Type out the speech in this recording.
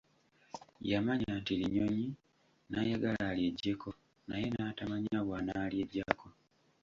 Yamanya nti Linyonyi, n'ayagala alyeggyeko naye n'atamanya bw'anaalyeggyako.